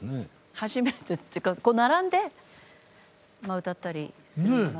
初めてっていうか並んで歌ったりするのは。